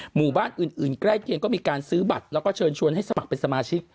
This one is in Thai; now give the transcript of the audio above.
หมู่บ้านอื่นใกล้เคียงก็มีการซื้อบัตรแล้วก็เชิญชวนให้สมัครเป็นสมาชิก